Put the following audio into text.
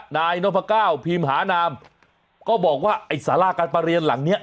นายนพก้าวพิมหานามก็บอกว่าไอ้สาราการประเรียนหลังเนี้ย